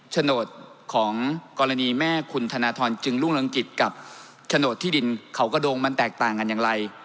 โฉนดของกรณีแม่คุณธนทรจึงรุ่งเรืองกิจกับโฉนดที่ดินเขากระโดงมันแตกต่างกันอย่างไร